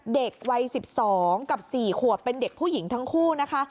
เด็กวัย๑๒กับ๔ขวบเป็นเด็กผู้หญิงทั้งคู่นะคะ